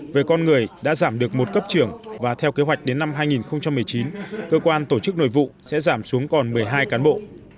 về con người đã giảm được một cấp trưởng và theo kế hoạch đến năm hai nghìn một mươi chín cơ quan tổ chức nội vụ sẽ giảm xuống còn một mươi hai cán bộ